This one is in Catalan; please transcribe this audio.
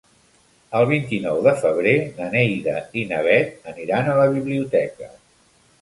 El vint-i-nou de febrer na Neida i na Bet aniran a la biblioteca.